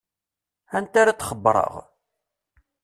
Anta ara d-xebbṛeɣ?